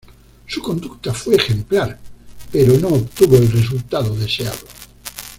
Su conducta fue ejemplar, pero no obtuvo el resultado deseado.